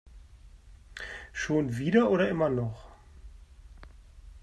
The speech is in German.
Schon wieder oder immer noch?